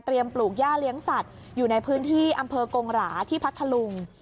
ปลูกย่าเลี้ยงสัตว์อยู่ในพื้นที่อำเภอกงหราที่พัทธลุง